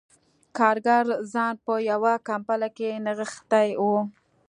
کارګر ځان په یوه کمپله کې نغښتی و